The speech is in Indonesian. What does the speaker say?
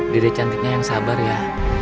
diri cantiknya yang sabar ya